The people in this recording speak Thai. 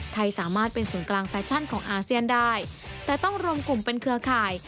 สามารถเป็นศูนย์กลางแฟชั่นของอาเซียนได้แต่ต้องรวมกลุ่มเป็นเครือข่าย